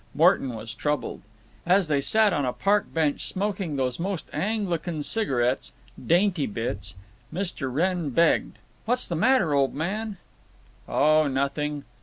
Morton was troubled. As they sat on a park bench, smoking those most Anglican cigarettes, "Dainty Bits," Mr. Wrenn begged: "What's the matter, old man?" "Oh, nothing.